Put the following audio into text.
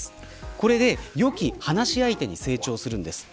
これで良き話し相手に成長するんです。